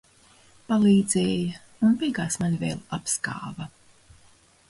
Palīdzēja un beigās mani vēl apskāva.